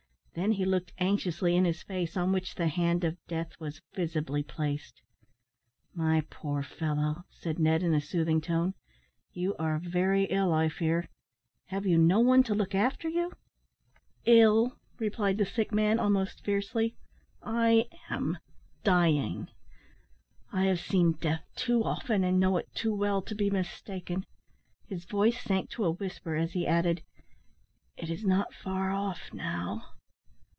Then he looked anxiously in his face, on which the hand of death was visibly placed. "My poor fellow!" said Ned, in a soothing tone, "you are very ill, I fear. Have you no one to look after you?" "Ill!" replied the sick man, almost fiercely, "I am dying. I have seen death too often, and know it too well, to be mistaken." His voice sank to a whisper as he added, "It is not far off now."